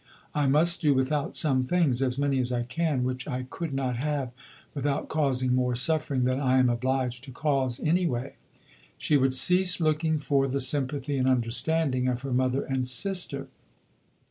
I must do without some things, as many as I can, which I could not have without causing more suffering than I am obliged to cause any way." She would cease looking for the sympathy and understanding of her mother and sister.